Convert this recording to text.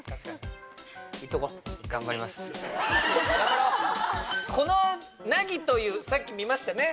・いっとこうこの凪というさっき見ましたね？